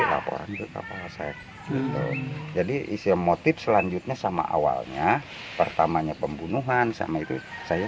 laporan ke kapolsek jadi isi motif selanjutnya sama awalnya pertamanya pembunuhan sama itu saya